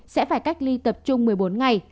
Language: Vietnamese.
sẽ phải cách ly tập trung một mươi bốn ngày